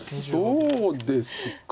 そうですか。